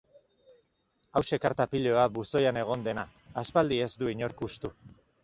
Hauxe karta piloa buzoian egon dena, aspaldi ez du inork hustu.